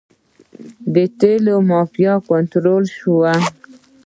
د تیلو مافیا کنټرول شوې؟